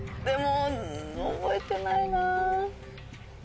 でも。